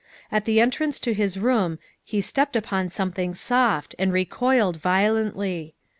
At the entrance to his room he stepped upon something soft and recoiled violently.